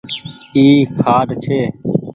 اي کآٽ ڇي